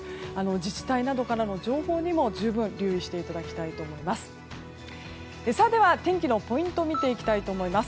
自治体などからの情報にも十分、留意していただきたいと思います。